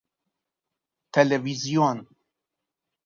تلویزیون